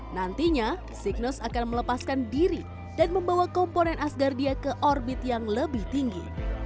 nantinya signus akan melepaskan diri dan membawa komponen asgardia ke orbit yang lebih tinggi